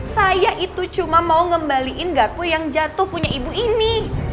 saya itu cuma mau ngembaliin gakku yang jatuh punya ibu ini